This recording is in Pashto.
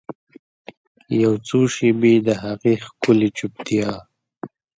یوڅو شیبې د هغې ښکلې چوپتیا